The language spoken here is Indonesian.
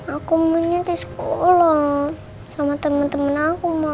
aku mau nyari sekolah sama temen temen aku ma